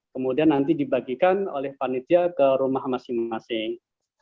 kemudian nanti dibagikan oleh panitia ke rumah masing masing